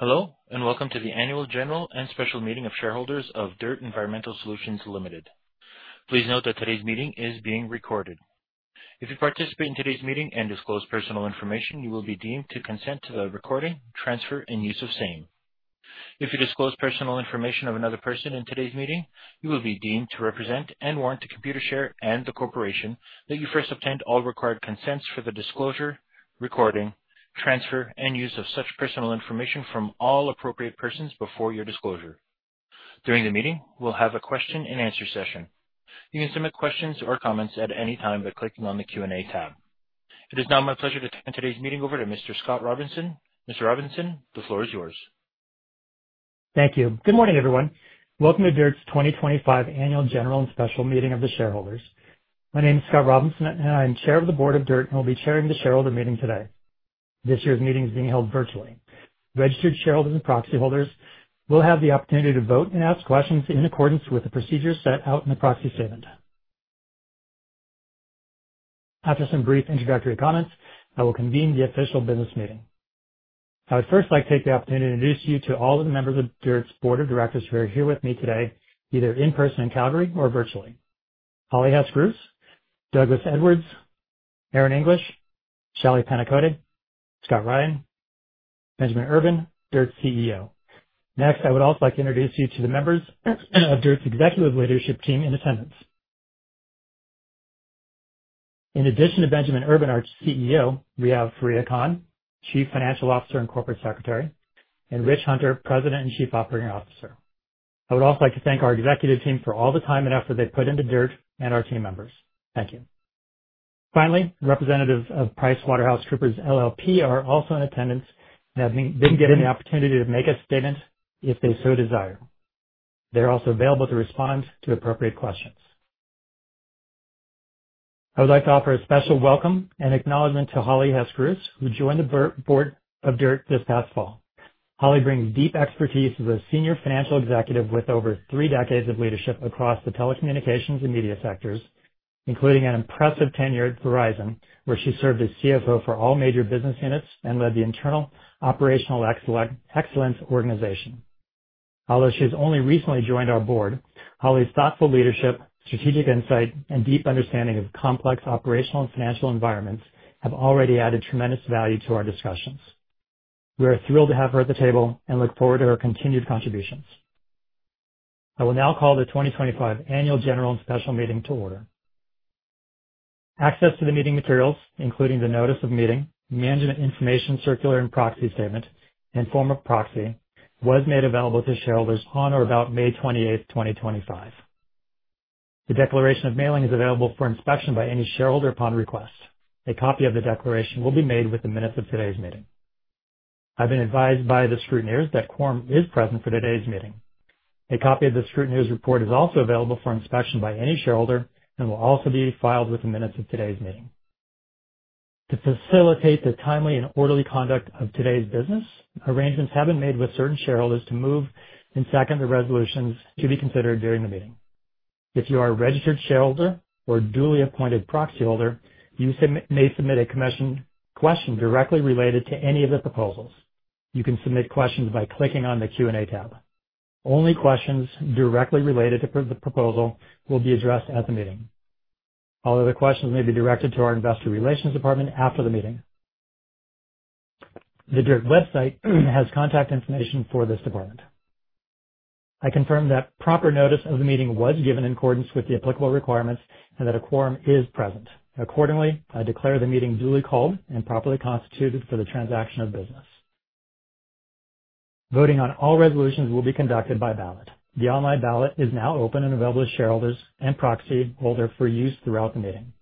Hello, welcome to the Annual General and Special Meeting of Shareholders of DIRTT Environmental Solutions Ltd.. Please note that today's meeting is being recorded. If you participate in today's meeting and disclose personal information, you will be deemed to consent to the recording, transfer, and use of same. If you disclose personal information of another person in today's meeting, you will be deemed to represent and warrant to Computershare and the corporation that you first obtained all required consents for the disclosure, recording, transfer, and use of such personal information from all appropriate persons before your disclosure. During the meeting, we'll have a question and answer session. You can submit questions or comments at any time by clicking on the Q&A tab. It is now my pleasure to turn today's meeting over to Mr. Scott Robinson. Mr. Robinson, the floor is yours. Thank you. Good morning, everyone. Welcome to DIRTT's 2025 Annual General and Special Meeting of the Shareholders. My name is Scott Robinson, and I'm Chair of the Board of DIRTT and will be chairing the shareholder meeting today. This year's meeting is being held virtually. Registered shareholders and proxy holders will have the opportunity to vote and ask questions in accordance with the procedures set out in the proxy statement. After some brief introductory comments, I will convene the official business meeting. I would first like to take the opportunity to introduce you to all the members of DIRTT's board of directors who are here with me today, either in person in Calgary or virtually. Holly Hess Groos, Douglas Edwards, Aron English, Shally Pannikode, Scott Ryan, Benjamin Urban, DIRTT's CEO. Next, I would also like to introduce you to the members of DIRTT's executive leadership team in attendance. In addition to Benjamin Urban, our CEO, we have Fareeha Khan, Chief Financial Officer and Corporate Secretary, and Richard Hunter, President and Chief Operating Officer. I would also like to thank our executive team for all the time and effort they put into DIRTT and our team members. Thank you. Representatives of PricewaterhouseCoopers LLP are also in attendance and have been given the opportunity to make a statement if they so desire. They're also available to respond to appropriate questions. I would like to offer a special welcome and acknowledgement to Holly Hess Groos, who joined the board of DIRTT this past fall. Holly brings deep expertise as a senior financial executive with over three decades of leadership across the telecommunications and media sectors, including an impressive tenure at Verizon, where she served as CFO for all major business units and led the internal operational excellence organization. Although she's only recently joined our board, Holly's thoughtful leadership, strategic insight, and deep understanding of complex operational and financial environments have already added tremendous value to our discussions. We are thrilled to have her at the table and look forward to her continued contributions. I will now call the 2025 Annual General and Special Meeting to order. Access to the meeting materials, including the notice of meeting, management information circular and proxy statement, and form of proxy, was made available to shareholders on or about May 28th, 2025. The declaration of mailing is available for inspection by any shareholder upon request. A copy of the declaration will be made with the minutes of today's meeting. I've been advised by the scrutineers that quorum is present for today's meeting. A copy of the scrutineers' report is also available for inspection by any shareholder and will also be filed with the minutes of today's meeting. To facilitate the timely and orderly conduct of today's business, arrangements have been made with certain shareholders to move and second the resolutions to be considered during the meeting. If you are a registered shareholder or duly appointed proxy holder, you may submit a question directly related to any of the proposals. You can submit questions by clicking on the Q&A tab. Only questions directly related to the proposal will be addressed at the meeting. All other questions may be directed to our investor relations department after the meeting. The DIRTT website has contact information for this department. I confirm that proper notice of the meeting was given in accordance with the applicable requirements and that a quorum is present. Accordingly, I declare the meeting duly called and properly constituted for the transaction of business. Voting on all resolutions will be conducted by ballot. The online ballot is now open and available to shareholders and proxy holders for use throughout the meeting.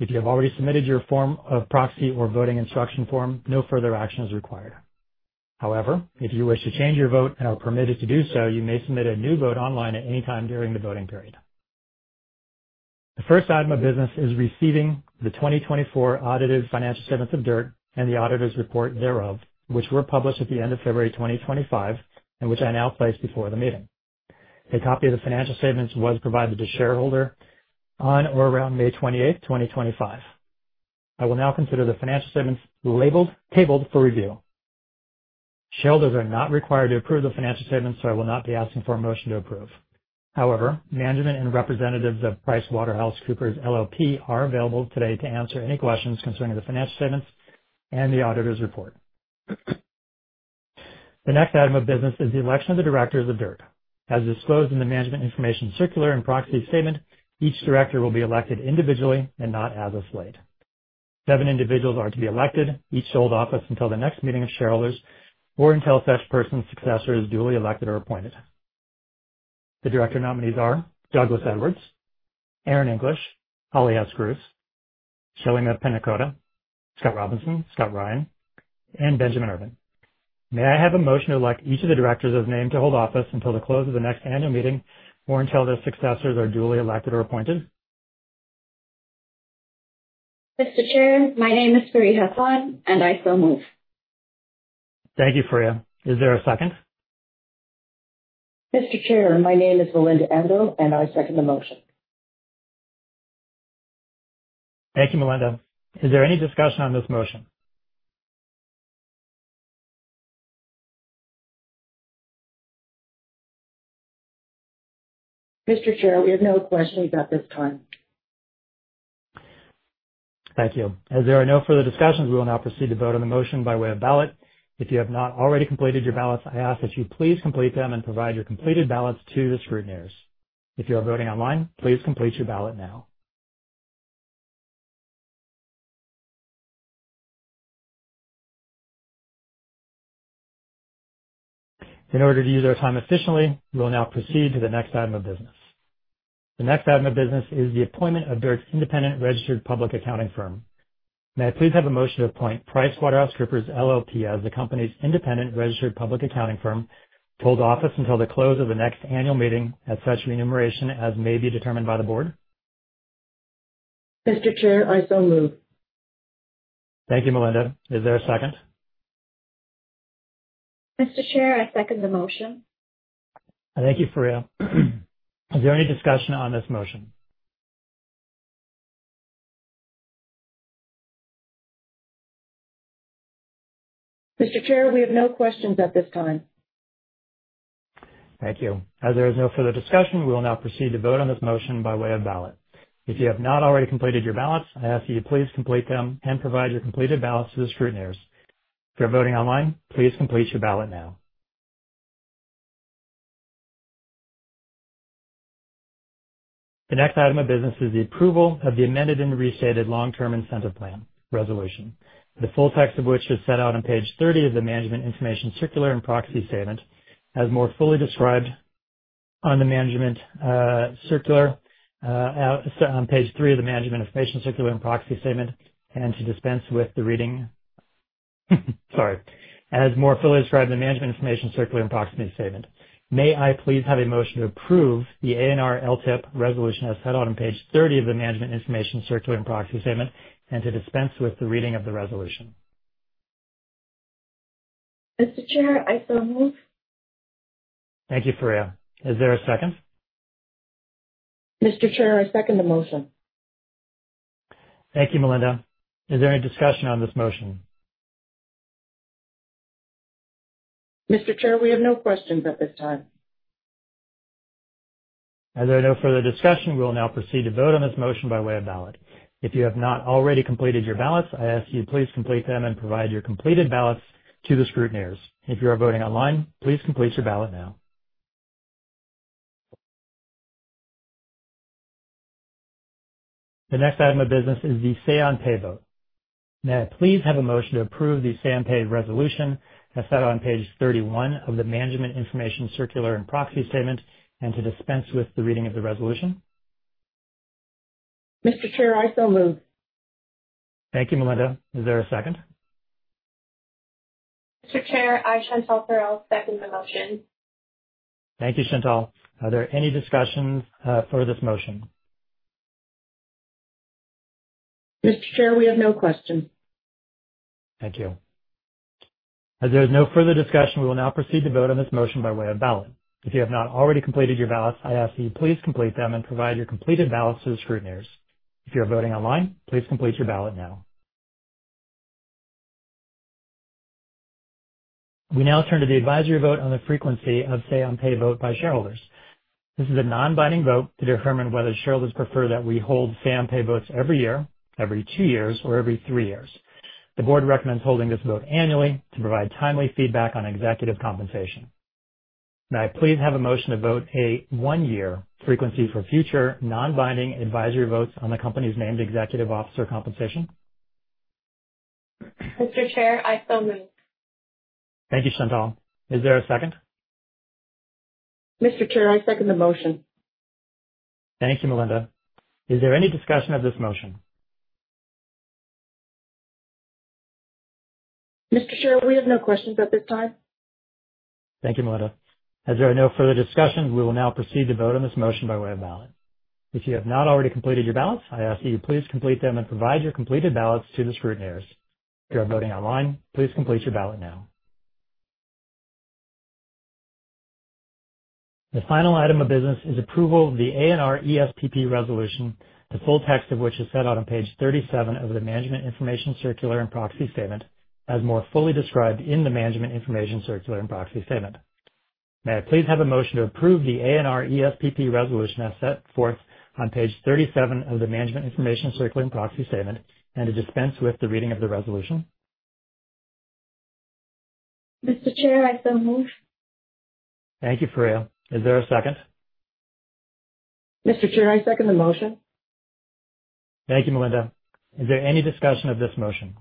If you have already submitted your form of proxy or voting instruction form, no further action is required. However, if you wish to change your vote and are permitted to do so, you may submit a new vote online at any time during the voting period. The first item of business is receiving the 2024 audited financial statements of DIRTT and the auditor's report thereof, which were published at the end of February 2025 and which I now place before the meeting. A copy of the financial statements was provided to shareholders on or around May 28th, 2025. I will now consider the financial statements labeled, tabled for review. Shareholders are not required to approve the financial statements, so I will not be asking for a motion to approve. However, management and representatives of PricewaterhouseCoopers LLP are available today to answer any questions concerning the financial statements and the auditor's report. The next item of business is the election of the directors of DIRTT. As disclosed in the management information circular and proxy statement, each director will be elected individually and not as a slate. Seven individuals are to be elected, each to hold office until the next meeting of shareholders or until such person's successor is duly elected or appointed. The director nominees are Douglas Edwards, Aron English, Holly Hess Groos, Shally Pannikode, Scott Robinson, Scott Ryan, and Benjamin Urban. May I have a motion to elect each of the directors as named to hold office until the close of the next annual meeting or until their successors are duly elected or appointed? Mr. Chair, my name is Fareeha Khan, and I so move. Thank you, Fareeha. Is there a second? Mr. Chair, my name is Melinda Enlow, and I second the motion. Thank you, Melinda. Is there any discussion on this motion? Mr. Chair, we have no questions at this time. Thank you. As there are no further discussions, we will now proceed to vote on the motion by way of ballot. If you have not already completed your ballots, I ask that you please complete them and provide your completed ballots to the scrutineers. If you're voting online, please complete your ballot now. In order to use our time efficiently, we will now proceed to the next item of business. The next item of business is the appointment of DIRTT's independent registered public accounting firm. May I please have a motion to appoint PricewaterhouseCoopers LLP as the company's independent registered public accounting firm to hold office until the close of the next annual meeting at such remuneration as may be determined by the board? Mr. Chair, I so move. Thank you, Melinda. Is there a second? Mr. Chair, I second the motion. Thank you, Fareeha. Is there any discussion on this motion? Mr. Chair, we have no questions at this time. Thank you. As there is no further discussion, we will now proceed to vote on this motion by way of ballot. If you have not already completed your ballots, I ask you to please complete them and provide your completed ballots to the scrutineers. If you're voting online, please complete your ballot now. The next item of business is the approval of the Amended and Restated Long Term Incentive Plan resolution, the full text of which is set out on page 30 of the management information circular and proxy statement. Sorry. As more fully described in the management information circular and proxy statement. May I please have a motion to approve the A&R LTIP resolution as set out on page 30 of the management information circular and proxy statement and to dispense with the reading of the resolution? Mr. Chair, I so move. Thank you, Fareeha. Is there a second? Mr. Chair, I second the motion. Thank you, Melinda. Is there any discussion on this motion? Mr. Chair, we have no questions at this time. As there are no further discussion, we'll now proceed to vote on this motion by way of ballot. If you have not already completed your ballots, I ask you to please complete them and provide your completed ballots to the scrutineers. If you are voting online, please complete your ballot now. The next item of business is the say-on-pay vote. May I please have a motion to approve the say-on-pay resolution as set out on page 31 of the management information circular and proxy statement, and to dispense with the reading of the resolution? Mr. Chair, I so move. Thank you, Melinda. Is there a second? Mr. Chair, I, Chantal Farrell, second the motion. Thank you, Chantal. Are there any discussions for this motion? Mr. Chair, we have no questions. Thank you. As there is no further discussion, we will now proceed to vote on this motion by way of ballot. If you have not already completed your ballots, I ask that you please complete them and provide your completed ballots to the scrutineers. If you are voting online, please complete your ballot now. We now turn to the advisory vote on the frequency of say-on-pay vote by shareholders. This is a non-binding vote to determine whether shareholders prefer that we hold say-on-pay votes every year, every two years, or every three years. The board recommends holding this vote annually to provide timely feedback on executive compensation. May I please have a motion to vote a one-year frequency for future non-binding advisory votes on the company's named executive officer compensation? Mr. Chair, I so move. Thank you, Chantal. Is there a second? Mr. Chair, I second the motion. Thank you, Melinda. Is there any discussion of this motion? Mr. Chair, we have no questions at this time. Thank you, Melinda. As there are no further discussions, we will now proceed to vote on this motion by way of ballot. If you have not already completed your ballots, I ask that you please complete them and provide your completed ballots to the scrutineers. If you are voting online, please complete your ballot now. The final item of business is approval of the A&R ESPP resolution, the full text of which is set out on page 37 of the management information circular and proxy statement, as more fully described in the management information circular and proxy statement. May I please have a motion to approve the A&R ESPP resolution as set forth on page 37 of the management information circular and proxy statement and to dispense with the reading of the resolution? Mr. Chair, I so move. Thank you, Fareeha. Is there a second? Mr. Chair, I second the motion. Thank you, Melinda. Is there any discussion of this motion?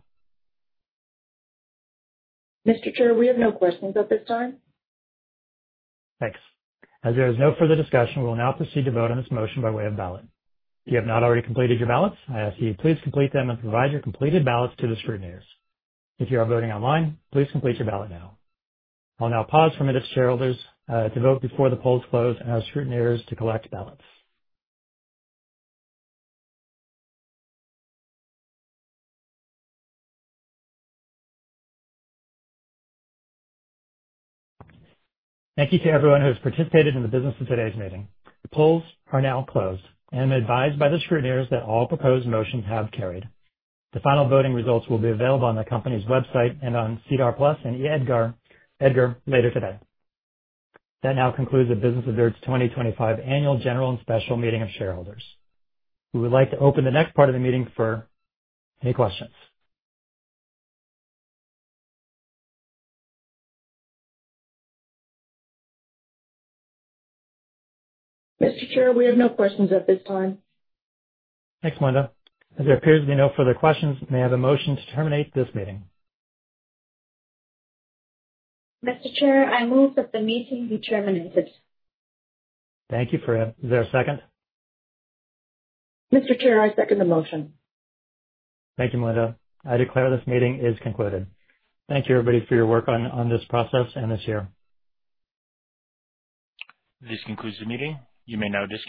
Mr. Chair, we have no questions at this time. Thanks. As there is no further discussion, we will now proceed to vote on this motion by way of ballot. If you have not already completed your ballots, I ask that you please complete them and provide your completed ballots to the scrutineers. If you are voting online, please complete your ballot now. I'll now pause for one minute, shareholders, to vote before the polls close and our scrutineers to collect ballots. Thank you to everyone who has participated in the business of today's meeting. The polls are now closed, and I'm advised by the scrutineers that all proposed motions have carried. The final voting results will be available on the company's website and on SEDAR+ and EDGAR later today. That now concludes the business of DIRTT's 2025 annual general and special meeting of shareholders. We would like to open the next part of the meeting for any questions. Mr. Chair, we have no questions at this time. Thanks, Melinda. As there appears to be no further questions, may I have a motion to terminate this meeting? Mr. Chair, I move that the meeting be terminated. Thank you, Fareeha. Is there a second? Mr. Chair, I second the motion. Thank you, Melinda. I declare this meeting is concluded. Thank you, everybody, for your work on this process and this year. This concludes the meeting. You may now disconnect